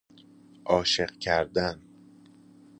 عاشق کردن